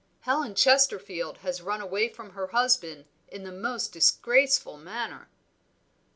"Helen Chesterfield has run away from her husband in the most disgraceful manner."